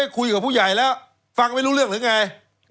คุยกับผู้ใหญ่แล้วฟังไม่รู้เรื่องหรือไง